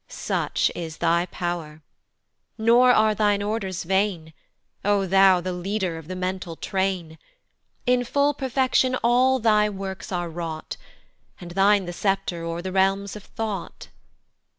Such is thy pow'r, nor are thine orders vain, O thou the leader of the mental train: In full perfection all thy works are wrought, And thine the sceptre o'er the realms of thought.